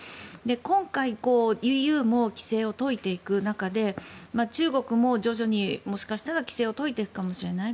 今回、ＥＵも規制を解いていく中で中国も徐々にもしかしたら規制を解いていくかもしれない。